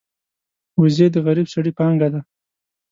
وزې د غریب سړي پانګه ده